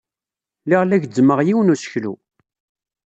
Lliɣ la gezzmeɣ yiwen n useklu.